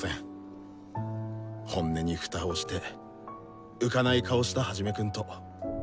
本音に蓋をして浮かない顔したハジメくんと。